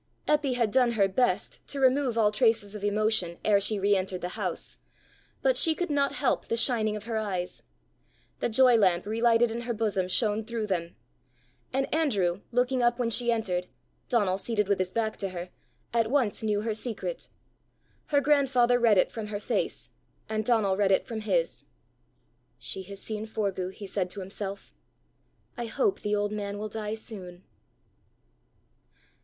Eppy had done her best to remove all traces of emotion ere she re entered the house; but she could not help the shining of her eyes: the joy lamp relighted in her bosom shone through them: and Andrew looking up when she entered, Donal, seated with his back to her, at once knew her secret: her grandfather read it from her face, and Donal read it from his. "She has seen Forgue!" he said to himself. "I hope the old man will die soon."